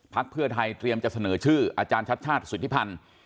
เพื่อไทยเตรียมจะเสนอชื่ออาจารย์ชัดชาติสิทธิพันธ์